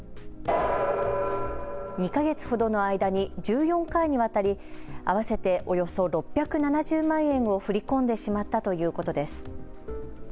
２か月ほどの間に１４回にわたり合わせておよそ６７０万円を振り込んでしまったということです。